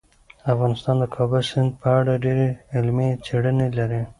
افغانستان د کابل سیند په اړه ډېرې علمي څېړنې لري.